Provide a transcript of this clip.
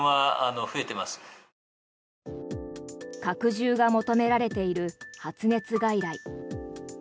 拡充が求められている発熱外来。